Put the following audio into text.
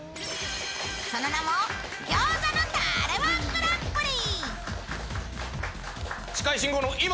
その名も餃子のタレ−１グランプリ。